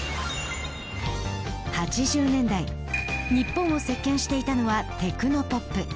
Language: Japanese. ８０年代日本を席巻していたのはテクノポップ。